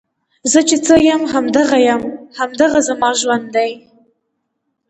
زۀ چې څۀ يم هم دغه يم، هـــم دغه زمـا ژونـد ون دی